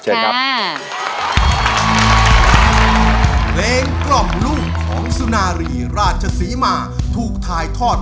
เชิญครับ